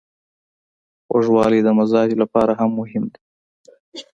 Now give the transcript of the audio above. خوږوالی د مزاج لپاره هم مهم دی.